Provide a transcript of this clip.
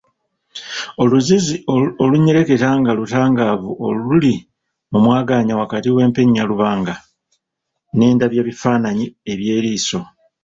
Oluzzizzi olunyereketa nga lutangaavu oluli mu mwagaanya wakati w’empenyabulanga n’endabyabifaananyi eby’eriiso.